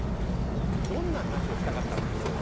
どんな話をしたかったんでしょうか？